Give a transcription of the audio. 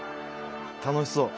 楽しそう。